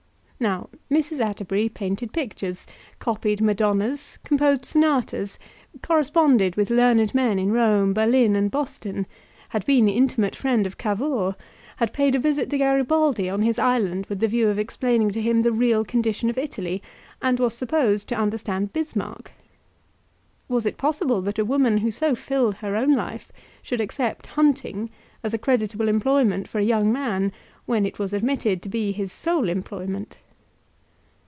Now Mrs. Atterbury painted pictures, copied Madonnas, composed sonatas, corresponded with learned men in Rome, Berlin, and Boston, had been the intimate friend of Cavour, had paid a visit to Garibaldi on his island with the view of explaining to him the real condition of Italy, and was supposed to understand Bismarck. Was it possible that a woman who so filled her own life should accept hunting as a creditable employment for a young man, when it was admitted to be his sole employment?